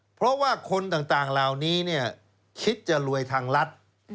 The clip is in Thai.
เพราะว่าคนต่างเหล่านี้คิดจะรวยทางรัฐ